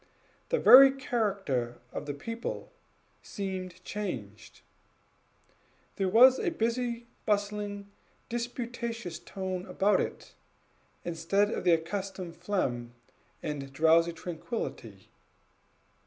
The very character of the people seemed changed. There was a busy, bustling, disputatious tone about it, instead of the accustomed phlegm and drowsy tranquillity.